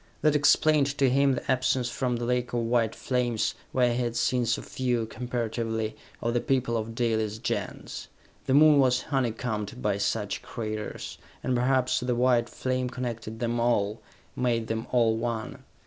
That explained to him the absence from the lake of white flames, where he had seen so few, comparatively, of the people of Dalis' Gens. The Moon was honeycombed by such craters, and perhaps the white flame connected them all, made them all one.